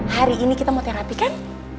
hari ini kita mau terapi kan